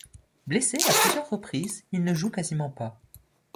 Blessé à plusieurs reprises, il ne joue quasiment pas.